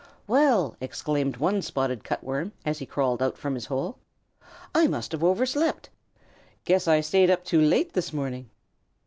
"Well!" exclaimed one Spotted Cut Worm, as he crawled out from his hole. "I must have overslept! Guess I stayed up too late this morning."